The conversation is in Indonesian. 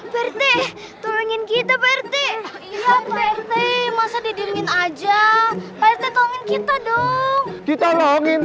berhenti tulungin kita berhenti berhenti masa didirimin aja kita dong kita lo